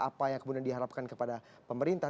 apa yang kemudian diharapkan kepada pemerintah